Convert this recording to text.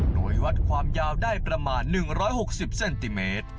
โดยวัดความยาวได้ประมาณ๑๖๐เซนติเมตร